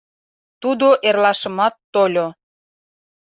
Тудо эрлашымат тольо.